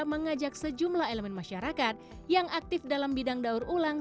mengajak sejumlah elemen masyarakat yang aktif dalam bidang daur ulang